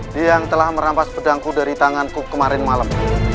dia yang telah merampas pedangku dari tanganku kemarin malam